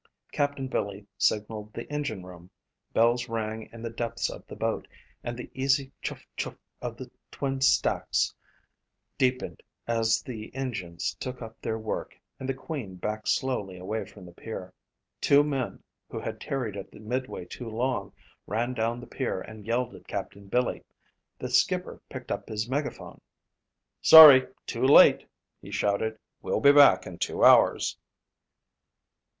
Captain Billy signalled the engine room, bells rang in the depths of the boat and the easy chouf chouf of the twin stacks deepened as the engines took up their work and the Queen backed slowly away from the pier. Two men who had tarried at the midway too long ran down the pier and yelled at Captain Billy. The skipper picked up his megaphone. "Sorry, too late," he shouted. "We'll be back in two hours."